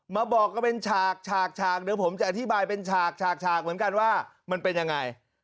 มาบอกกันเป็นฉากฉากฉากเดี๋ยวผมจะอธิบายเป็นฉากฉากเหมือนกันว่ามันเป็นยังไง